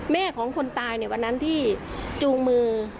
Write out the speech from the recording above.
แม่ของคนตายในวันนั้นที่จูงมือ